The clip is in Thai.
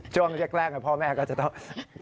เจ้าง่ายแกรกพ่อแม่ก็จะต้อง